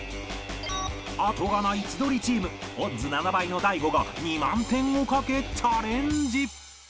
あとがない千鳥チームオッズ７倍の大悟が２万点を賭けチャレンジ